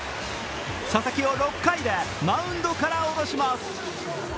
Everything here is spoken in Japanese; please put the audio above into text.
佐々木を６回でマウンドから降ろします。